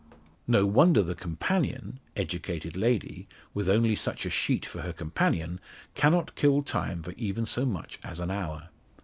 No wonder the "companion" educated lady with only such a sheet for her companion, cannot kill time for even so much as an hour.